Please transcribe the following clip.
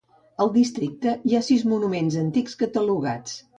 Al districte hi ha sis monuments antics catalogats.